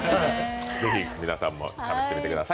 ぜひ皆さんも試してみてください。